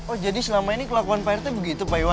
oh jadi selama ini kelakuan prt begitu pak iwan